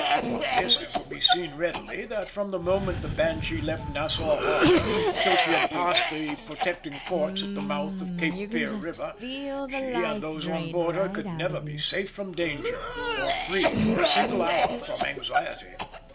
From this it will be seen readily, that from the moment the Banshee left Nassau harbour till she had passed the protecting forts at the mouth of Cape Fear river, she and those on board her could never be safe from danger or free for a single hour from anxiety.